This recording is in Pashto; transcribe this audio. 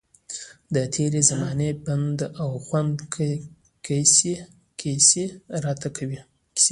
د تېرې زمانې پند او خوند کیسې راته کوي.